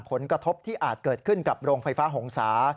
ผลกระทบที่อาจเกิดขึ้นกับโรงไฟฟ้าหงษา